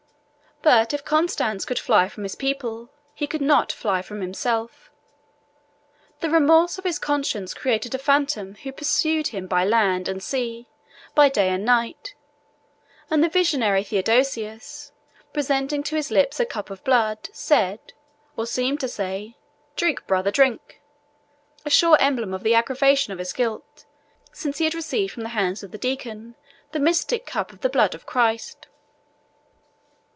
But if Constans could fly from his people, he could not fly from himself. The remorse of his conscience created a phantom who pursued him by land and sea, by day and by night; and the visionary Theodosius, presenting to his lips a cup of blood, said, or seemed to say, "Drink, brother, drink;" a sure emblem of the aggravation of his guilt, since he had received from the hands of the deacon the mystic cup of the blood of Christ.